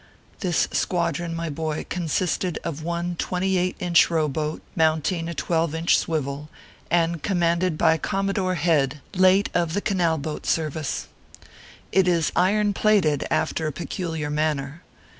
This squadron, my boy, consisted of one twenty eiglit inch row boat, mounting a twelve inch swivel, and commanded by Commodore Head, late of the Canal boat Service. It is iron plated after a peculiar manner.